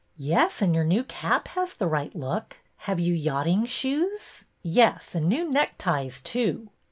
'' Yes, and your new cap has the right look. Have you yachting shoes ?"'' Yes, and new neckties, too."